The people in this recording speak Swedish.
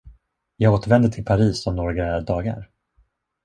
Jag återvänder till Paris om några dagar.